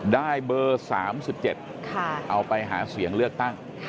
ได้เบอร์๓๗เอาไปหาเสียงเลือกตั้ง